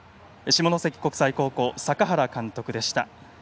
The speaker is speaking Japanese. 下関国際高校、坂原監督でした。